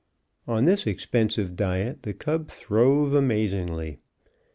On this expensive diet the cub throve amazingly.